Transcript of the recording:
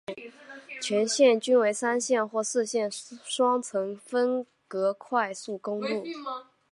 全线均为三线或四线双程分隔快速公路。